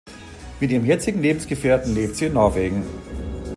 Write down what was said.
Mit ihrem jetzigen Lebensgefährten lebt sie in Norwegen.